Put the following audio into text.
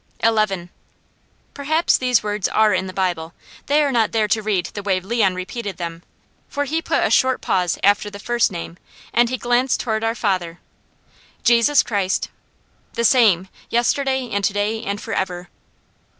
"Eleven." Perhaps these words are in the Bible. They are not there to read the way Leon repeated them, for he put a short pause after the first name, and he glanced toward our father: "Jesus Christ, the SAME, yesterday, and to day, and forever!"